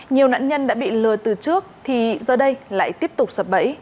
nhiều nạn nhân đã bị lừa từ trước thì giờ đây lại tiếp tục sập bẫy